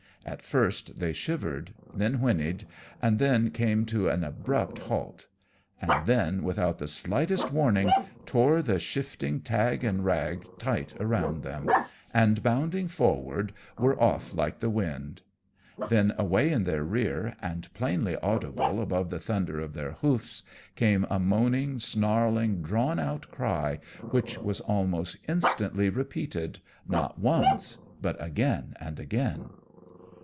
At first they shivered, then whined, and then came to an abrupt halt; and then, without the slightest warning, tore the shifting tag and rag tight around them, and bounding forward, were off like the wind. Then, away in their rear, and plainly audible above the thunder of their hoofs, came a moaning, snarling, drawn out cry, which was almost instantly repeated, not once, but again and again.